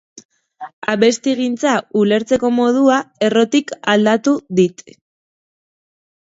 Abestigintza ulertzeko modua errotik aldatu dit.